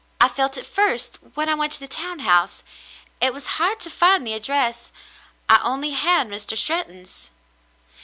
"I felt it first when I went to the town house. It was hard to find the address. I only had Mr. Stretton's."